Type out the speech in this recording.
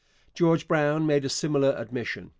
George Brown made a similar admission.